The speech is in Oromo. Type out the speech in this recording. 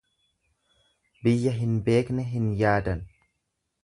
Biyya hin beekne hin yaadan.